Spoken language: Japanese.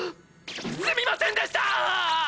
すみませんでした！！